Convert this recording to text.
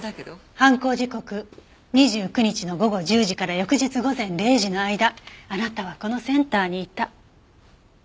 犯行時刻２９日の午後１０時から翌日午前０時の間あなたはこのセンターにいた。